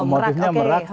oh merak oke